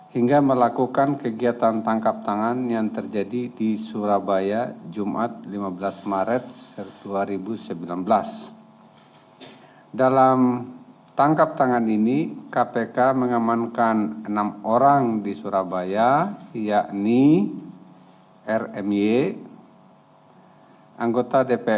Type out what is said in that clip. hingga melakukan kegiatan tangkap tangan yang terjadi di surabaya jumat lima belas maret dua ribu sembilan belas